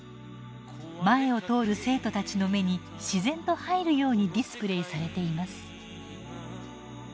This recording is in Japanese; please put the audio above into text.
前を通る生徒たちの目に自然と入るようにディスプレーされています。